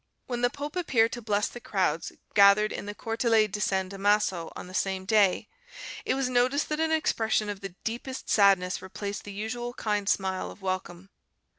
When the pope appeared to bless the crowds gathered in the Cortile di San Damaso on the same day, it was noticed that an expression of the deepest sadness replaced the usual kind smile of welcome.